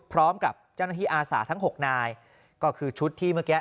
พร้อมกับเจ้าหน้าที่อาสาทั้งหกนายก็คือชุดที่เมื่อกี้